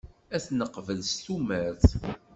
Ad neqbel s tumert.